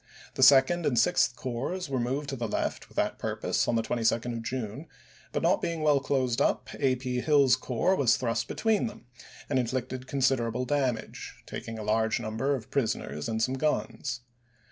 The Sec ond and Sixth Corps were moved to the left with that purpose on the 22d of June; but, not being i«54 well closed up, A. P. Hill's corps was thrust be tween them, and inflicted considerable damage, taking a large number of prisoners and some guns.